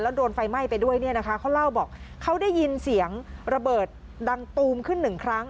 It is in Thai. แล้วโดนไฟไหม้ไปด้วยเนี่ยนะคะเขาเล่าบอกเขาได้ยินเสียงระเบิดดังตูมขึ้นหนึ่งครั้ง